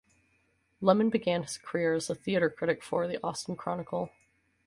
Lemon began his career as theater critic for the "Austin Chronicle".